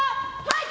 はい！